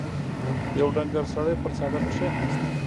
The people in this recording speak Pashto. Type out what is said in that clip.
يو ډنګر سړی پر څادر کېناست.